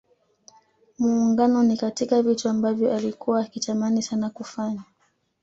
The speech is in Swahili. Muungano ni katika vitu ambavyo alikua akitamani sana kufanya